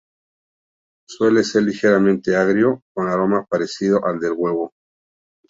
Suele ser ligeramente agrio, con aroma parecido al del huevo.